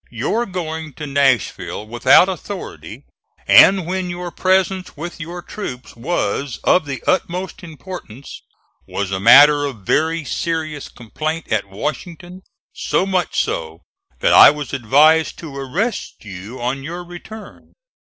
"Your going to Nashville without authority, and when your presence with your troops was of the utmost importance, was a matter of very serious complaint at Washington, so much so that I was advised to arrest you on your return."